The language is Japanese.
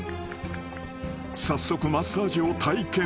［早速マッサージを体験］